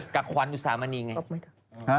กับขวัญอุสามณีไง